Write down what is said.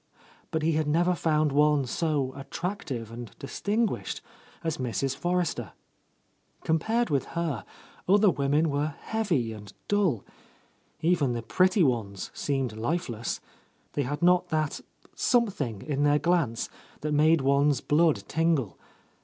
But he had never found one so attractive and distinguished as Mrs. Forrester, Compared with her, other women were heavy and dull ; even the pretty ones seemed lifeless, — they had not that something in their glance that made one's blood tingle.